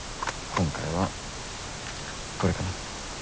今回はこれかな。